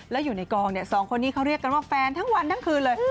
แล้วอยู่ในกองเนี่ยสองคนนี้เขาเรียกกันว่าแฟนทั้งวันทั้งคืนเลย